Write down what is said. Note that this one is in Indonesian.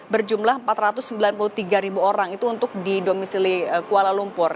berjumlah empat ratus sembilan puluh tiga ribu orang itu untuk di domisili kuala lumpur